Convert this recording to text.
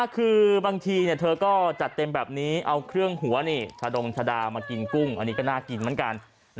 คือบางทีเธอก็จัดเต็มแบบนี้เอาเครื่องหัวชะดงชะดามากินกุ้งอันนี้ก็น่ากินเหมือนกัน